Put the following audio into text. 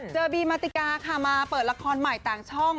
บีมาติกาค่ะมาเปิดละครใหม่ต่างช่อง